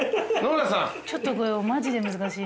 ちょっと。